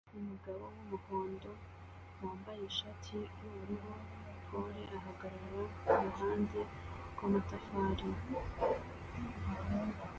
Umugabo wumuhondo wambaye ishati yubururu polo ahagarara kuruhande rwamatafari